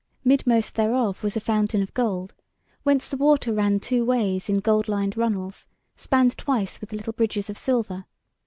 Midmost thereof was a fountain of gold, whence the water ran two ways in gold lined runnels, spanned twice with little bridges of silver.